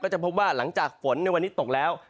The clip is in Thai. จะพบว่าหลังจากฝนในวันนี้ตกแล้ว